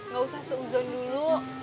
gak usah seuzon dulu